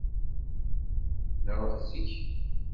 Nṛuḥ zik.